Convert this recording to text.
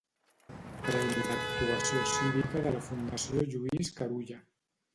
Premi d'Actuació Cívica de la Fundació Lluís Carulla.